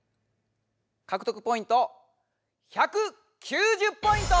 かくとくポイント１９０ポイント！